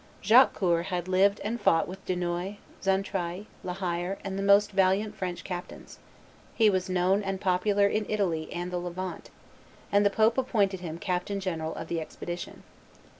Jacques Coeur had lived and fought with Dunois, Xaintrailles, La Hire, and the most valiant French captains; he was known and popular in Italy and the Levant; and the pope appointed him captain general of the expedition.